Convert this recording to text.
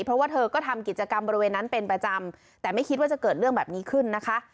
เพราะว่าเธอก็ทำกิจกรรมบริเวณนั้นเป็นประจำแต่ไม่คิดว่าจะเกิดเรื่องแบบนี้ขึ้นนะคะ